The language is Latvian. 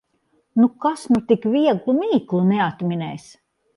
Nu, kas nu tik vieglu mīklu neatminēs!